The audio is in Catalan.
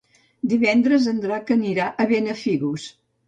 Divendres en Drac anirà a Benafigos.